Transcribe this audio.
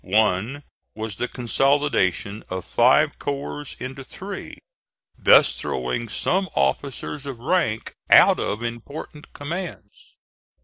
One was the consolidation of five corps into three, thus throwing some officers of rank out of important commands.